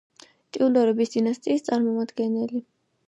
ტიუდორების დინასტიის წარმომადგენელი.